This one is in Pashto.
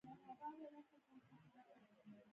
برکت کله کیږي؟